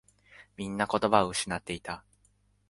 みんな言葉を失っていた。